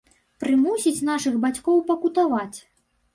Прымусіць нашых бацькоў пакутаваць?